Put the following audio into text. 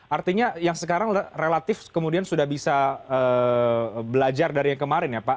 artinya yang sekarang relatif kemudian sudah bisa belajar dari yang kemarin ya pak